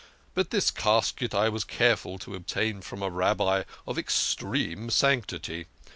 But this casket I was careful to obtain from a Rabbi of extreme sanctity.